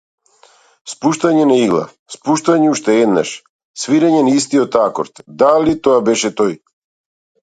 Спуштање на игла, слушање уште еднаш, свирење на истиот акорд, дали тоа беше тој?